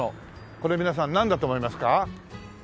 これ皆さんなんだと思いますか？